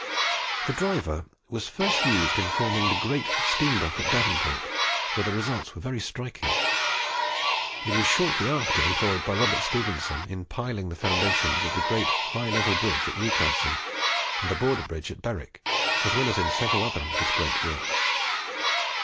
The driver was first used in forming the great steam dock at Devonport, where the results were very striking; and it was shortly after employed by Robert Stephenson in piling the foundations of the great High Level Bridge at Newcastle, and the Border Bridge at Berwick, as well as in several other of his great works.